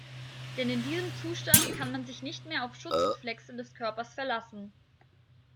Denn in diesem Zustand kann man sich nicht mehr auf Schutzreflexe des Körpers verlassen.